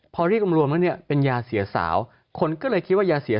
พอเรียกกำรวมแล้วเนี่ยเป็นยาเสียสาวคนก็เลยคิดว่ายาเสีย